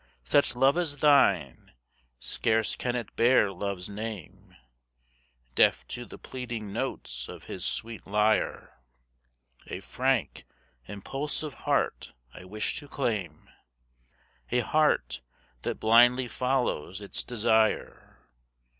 Such love as thine, scarce can it bear love's name, Deaf to the pleading notes of his sweet lyre, A frank, impulsive heart I wish to claim, A heart that blindly follows its desire.